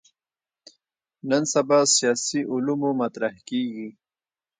نن سبا سیاسي علومو مطرح کېږي.